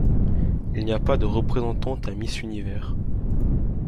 Il n'y a pas de représentante à Miss Univers.